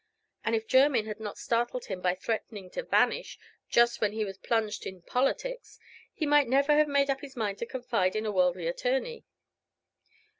And if Jermyn had not startled him by threatening to vanish just when he was plunged in politics, he might never have made up his mind to confide in a worldly attorney.